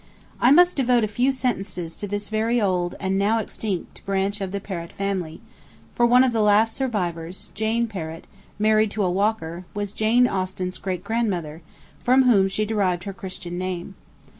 I must devote a few sentences to this very old and now extinct branch of the Perrot family; for one of the last survivors, Jane Perrot, married to a Walker, was Jane Austen's great grandmother, from whom she derived her Christian name.